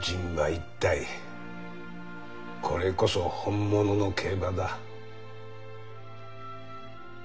一体これこそ本物の競馬だ。